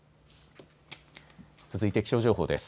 続いて気象情報です。